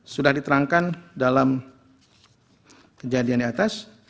sudah diterangkan dalam kejadian di atas